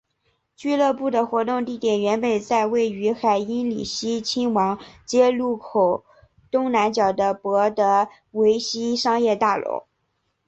俱乐部的活动地点原本在位于海因里希亲王街路口东南角的博德维希商业大楼。